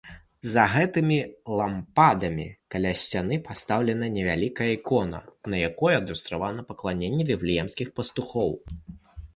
За гэтымі лампадамі, каля сцяны, пастаўлена невялікая ікона, на якой адлюстравана пакланенне віфлеемскіх пастухоў.